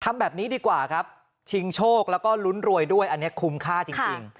ทำแบบนี้ดีกว่าครับชิงโชคแล้วก็ลุ้นรวยด้วยอันนี้คุ้มค่าจริง